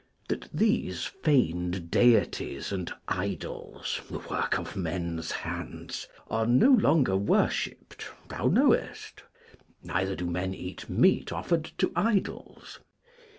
That these feigned Deities and idols, the work of men's hands, are no longer worshipped thou knowest; neither do men eat meat offered to idols.